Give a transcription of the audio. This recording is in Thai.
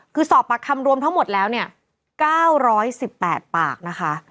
คือสอบปากคำรวมทั้งหมดแล้วเนี่ย๙๑๘ปากนะคะ